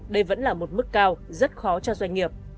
đây vẫn là một mức cao rất khó cho doanh nghiệp